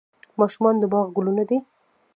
ماشومان د باغ ګلونه دي